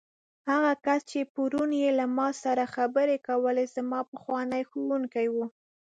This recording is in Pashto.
هغه کس چې پرون یې له ما سره خبرې کولې، زما پخوانی ښوونکی و.